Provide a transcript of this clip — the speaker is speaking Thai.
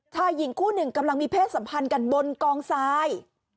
หญิงคู่หนึ่งกำลังมีเพศสัมพันธ์กันบนกองทราย